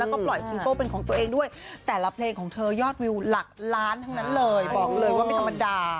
แล้วก็ปล่อยซิงเกิลเป็นของตัวเองด้วยแต่ละเพลงของเธอยอดวิวหลักล้านทั้งนั้นเลยบอกเลยว่าไม่ธรรมดา